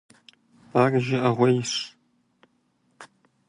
Ар жыӀэгъуейщ.